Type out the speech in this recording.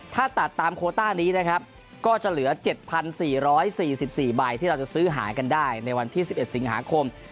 ถ้าตัดตามโคต้านี้นะครับก็จะเหลือ๗๔๔๔ใบที่เราจะซื้อหายกันได้ในวันที่๑๑สิงหาคม